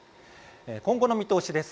今後の見通しです。